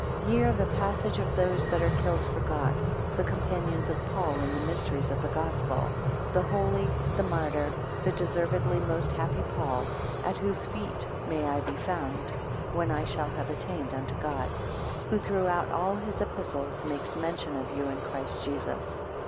10 Ye are the passage of those that are killed for God; the companions of Paul in the mysteries of the Gospel; the holy, the martyr, the deservedly most happy Paul: at whose feet may I be found, when I shall have attained unto God; who throughout all his epistles, makes mention of you in Christ Jesus.